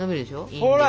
ほら！